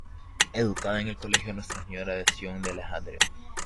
Educada en el Colegio Nuestra Señora de Sion de Alejandría.